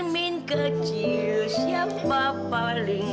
jermin kecil siapa paling